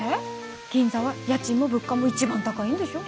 銀座は家賃も物価も一番高いんでしょ？